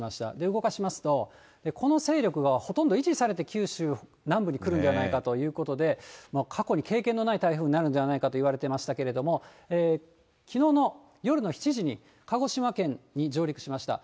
動かしますと、この勢力がほとんど維持されて九州南部にくるんじゃないかということで、過去に経験のない台風になるんじゃないかといわれてましたけれども、きのうの夜の７時に、鹿児島県に上陸しました。